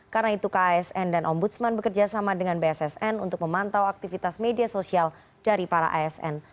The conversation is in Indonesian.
karena itu kasn dan ombudsman bekerjasama dengan bssn untuk memantau aktivitas media sosial dari para asn